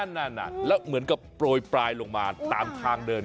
นั่นแล้วเหมือนกับโปรยปลายลงมาตามทางเดิน